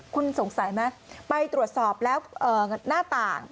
คุณสงสัยไหมไปตรวจสอบแล้วหน้าต่าง